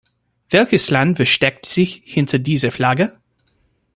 Welches Land versteckt sich hinter dieser Flagge?